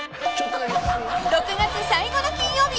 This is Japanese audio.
［６月最後の金曜日］